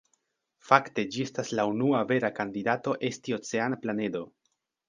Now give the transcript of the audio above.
Fakte ĝi estas la unua vera kandidato esti oceana planedo.